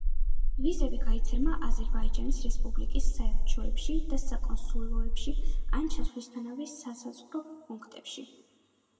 ვიზები გაიცემა აზერბაიჯანის რესპუბლიკის საელჩოებში და საკონსულოებში ან ჩასვლისთანავე სასაზღვრო პუნქტებში.